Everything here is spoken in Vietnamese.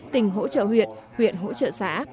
tỉnh hỗ trợ huyện huyện hỗ trợ xã